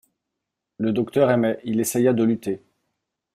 Le docteur aimait, il essaya de lutter.